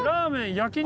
焼肉！